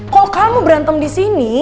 kalo kamu berantem disini